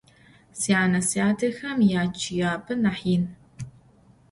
Syane - syatexem yaççıyap'e nah yin.